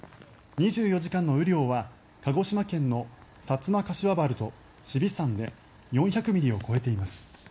２４時間の雨量は鹿児島県のさつま柏原と紫尾山で４００ミリを超えています。